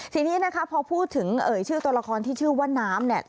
ทีนี้พอพูดถึงเอ๋ยชื่อตัวละครที่ชื่อว่าน้ำ